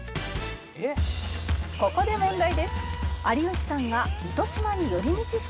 「ここで問題です」